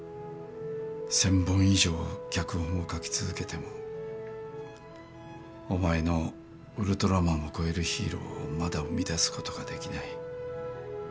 １，０００本以上脚本を書き続けてもお前のウルトラマンを超えるヒーローをまだ生み出すことができない。